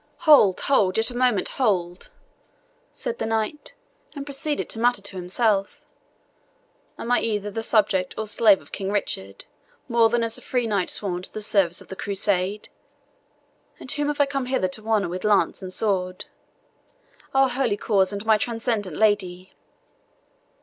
"Hold, hold, yet a moment hold," said the knight, and proceeded to mutter to himself, "Am I either the subject or slave of King Richard, more than as a free knight sworn to the service of the Crusade? And whom have I come hither to honour with lance and sword? Our holy cause and my transcendent lady!"